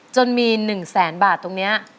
จนมี๑แสนบาทตรงนี้